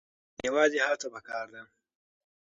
یوازې هڅه پکار ده.